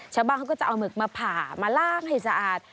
ชาวบ้านเขาก็จะเอาหมึกมาผ่ามาล่างให้สะอาด